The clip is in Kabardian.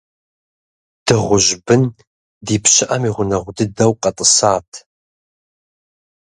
Дыгъужь бын ди пщыӀэм и гъунэгъу дыдэу къэтӀысат.